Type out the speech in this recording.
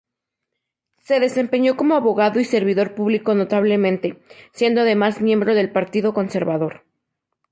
Se desempeñó como abogado y servidor público notablemente, siendo además miembro del Partido Conservador.